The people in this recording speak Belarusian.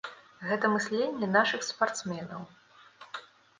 Гэта мысленне нашых спартсменаў.